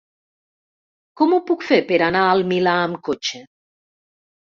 Com ho puc fer per anar al Milà amb cotxe?